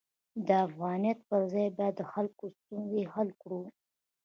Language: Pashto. د افغانیت پر ځای باید د خلکو ستونزې حل کړو.